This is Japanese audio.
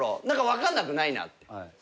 何か分かんなくないなって。